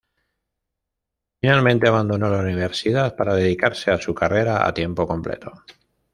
Finalmente, abandonó la universidad para dedicarse a su carrera a tiempo completo.